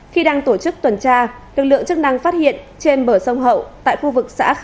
khi đang tổ chức tuần tra lực lượng chức năng phát hiện trên bờ sông hậu tại khu vực xã khánh